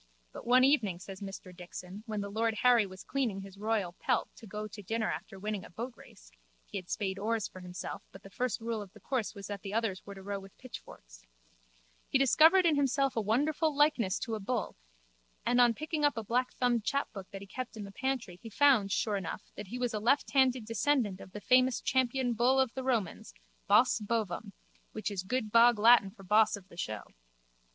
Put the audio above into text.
But one evening, says Mr Dixon, when the lord Harry was cleaning his royal pelt to go to dinner after winning a boatrace (he had spade oars for himself but the first rule of the course was that the others were to row with pitchforks) he discovered in himself a wonderful likeness to a bull and on picking up a blackthumbed chapbook that he kept in the pantry he found sure enough that he was a lefthanded descendant of the famous champion bull of the Romans, Bos Bovum, which is good bog Latin for boss of the show.